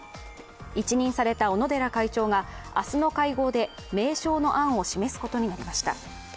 一任された小野寺会長が明日の会合で名称の案を示すことになりました。